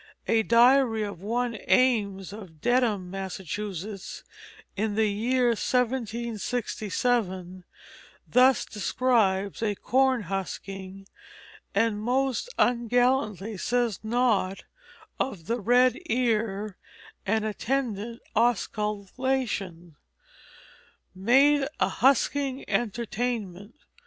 A diary of one Ames, of Dedham, Massachusetts, in the year 1767, thus describes a corn husking, and most ungallantly says naught of the red ear and attendant osculation: "Made a husking Entertainm't.